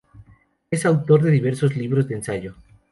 Es autor de diversos libros de ensayo.